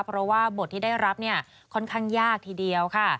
เพราะว่าบทที่ได้รับเนี่ยค่อนข้างยากทีเดียวค่ะ